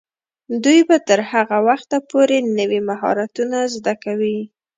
دوی به تر هغه وخته پورې نوي مهارتونه زده کوي.